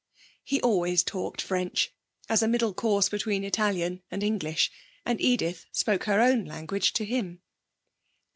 He always talked French, as a middle course between Italian and English, and Edith spoke her own language to him.